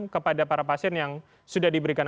kepada para pasien yang sudah diberikan